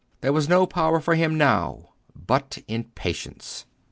There was no power for him now but in patience.